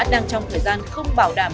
đang trong thời gian không bảo đảm